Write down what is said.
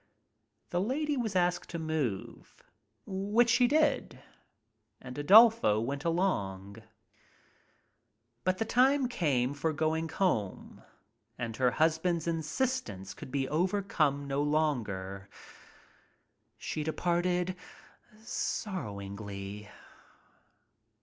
The lady was asked to move. Which she did and Adolfo went along. But the time came for going home and her husband's in sistence could be overcome no longer. She de sorrowingly.